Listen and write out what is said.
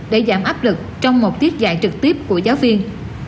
để giảm áp lực trong một tiếp dạy trực tuyến của giáo viên